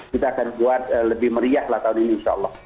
kita akan buat lebih meriah lah tahun ini insya allah